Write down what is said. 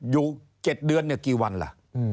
อยู่๗เดือนกี่วันล่ะ